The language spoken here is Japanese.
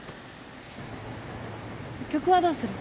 曲はどうする？